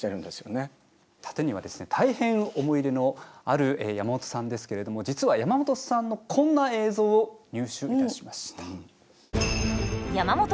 殺陣にはですね大変思い入れのある山本さんですけれども実は山本さんのこんな映像を入手いたしました。